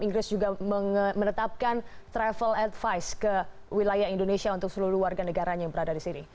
inggris juga menetapkan travel advice ke wilayah indonesia untuk seluruh warga negaranya yang berada di sini